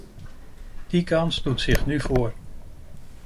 Die kans doet zich nu voor.